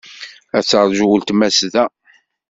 Ad teṛju weltma-s da.